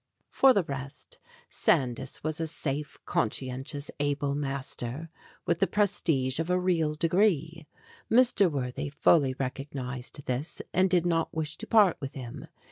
For the rest, Sandys was a safe, con scientious, able master, with the prestige of a real degree. Mr. Worthy fully recognized this, and did not wish to part with him.